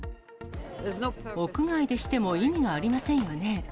屋外でしても、意味がありませんよね。